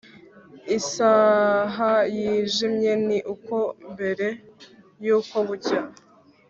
isaha yijimye ni uko mbere yuko bucya.